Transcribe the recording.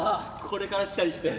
これから来たりして。